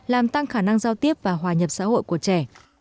làm tăng khả năng giao tiếp và hòa nhập xã hội của trẻ